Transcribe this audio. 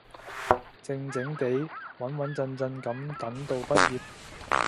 靜靜哋，穩穩陣陣噉等到畢業